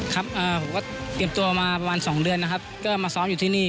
ครับผมก็เตรียมตัวมาประมาณ๒เดือนนะครับก็มาซ้อมอยู่ที่นี่